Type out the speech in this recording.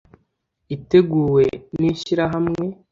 iteguwe n'ishyirahamwe